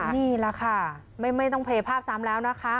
นี่แหละค่ะไม่ต้องเพลย์ภาพซ้ำแล้วนะคะ